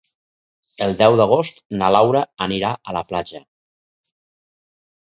El deu d'agost na Laura anirà a la platja.